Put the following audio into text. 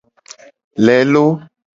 Lelo.